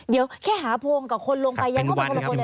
เดี๋ยวแค่หาโพงกับคนลงไปยังเข้าไปคนละคนเลย